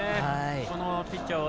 このピッチャーは。